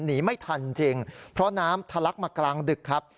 หนีไม่ทันจริงเพราะน้ำทะลักมากลางดึกครับ